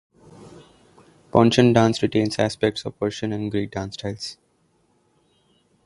Pontian dance retains aspects of Persian and Greek dance styles.